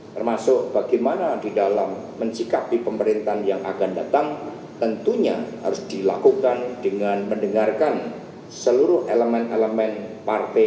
termasuk bagaimana di dalam mencikapi pemerintahan yang akan datang tentunya harus dilakukan dengan mendengarkan seluruh elemen elemen partai